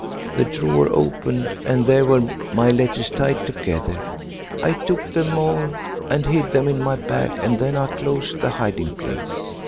The drawer opened and there were my letters tied together. I took them all and hid them in my bag, and then I closed the hiding place.